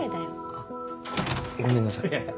あっごめんなさい。